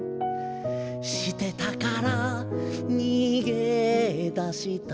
「してたからにげだした」